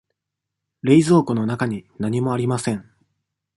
冷蔵庫の中に何もありません。